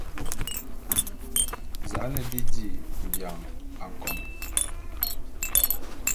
Za'an bi dí bian akôn.